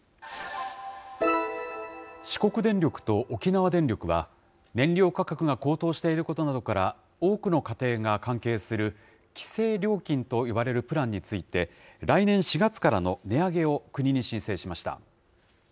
四国電力と沖縄電力は、燃料価格が高騰していることなどから、多くの家庭が関係する規制料金と呼ばれるプランについて、来年４月からの値上げを国に申請しました。